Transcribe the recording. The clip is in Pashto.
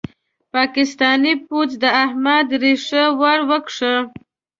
پاکستاني پوځ د احمد ريښه ور وکښه.